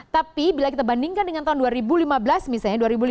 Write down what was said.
tapi bila kita bandingkan dengan tahun dua ribu lima belas misalnya